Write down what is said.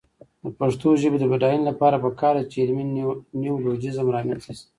د پښتو ژبې د بډاینې لپاره پکار ده چې علمي نیولوجېزم رامنځته شي.